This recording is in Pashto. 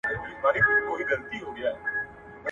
که وخت وي، کتابتون پاکوم!!